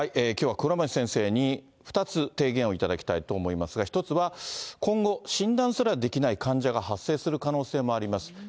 きょうは倉持先生に２つ提言を頂きたいと思いますが、１つは、今後診断すらできない患者が発生する可能性もあります。